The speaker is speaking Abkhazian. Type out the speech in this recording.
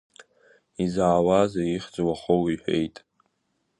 Изаауазеи, ихьӡ уаӷоу иҳәеит…